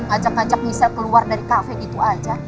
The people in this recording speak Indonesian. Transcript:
ajak ajak michelle keluar dari cafe gitu aja